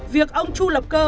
việc ông chu lập cơ